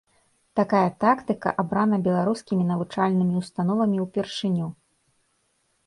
Такая тактыка абрана беларускімі навучальнымі ўстановамі ўпершыню.